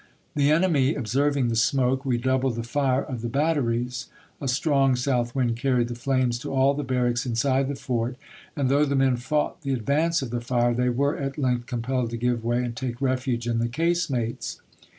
The enemy, observing the smoke, redoubled the fire of the bat teries; a strong south wind carried the flames to all the barracks inside the fort; and though the men fought the advance of the fire, they were at length compelled to give way and take refuge in the casemates.